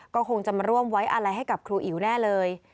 ก็คงจะมาร่วมไว้อะไรให้กับครูอิ๋วแน่เลย